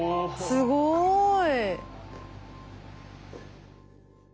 すごい。